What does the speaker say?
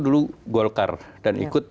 dulu golkar dan ikut